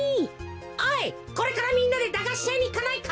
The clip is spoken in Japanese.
おいこれからみんなでだがしやにいかないか？